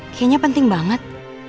kayaknya penting banget